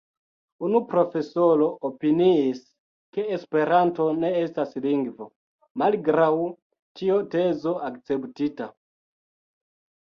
Unu profesoro opiniis, ke Esperanto ne estas lingvo, malgraŭ tio tezo akceptita.